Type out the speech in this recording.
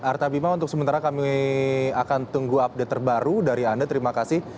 arta bima untuk sementara kami akan tunggu update terbaru dari anda terima kasih